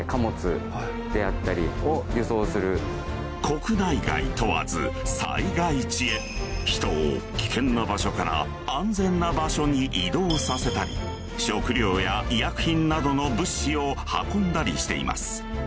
国内外問わず災害地へ人を危険な場所から安全な場所に移動させたり食料や医薬品などの物資を運んだりしています